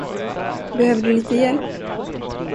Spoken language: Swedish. Behöver du lite hjälp?